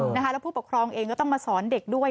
แล้วผู้ปกครองเองก็ต้องมาสอนเด็กด้วย